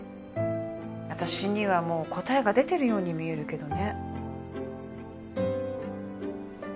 私にはもう答えが出てるように見えるけどね。